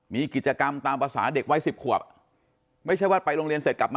มีกิจกรรมตามภาษาเด็กวัยสิบขวบไม่ใช่ว่าไปโรงเรียนเสร็จกลับมา